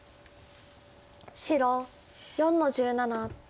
白４の十七。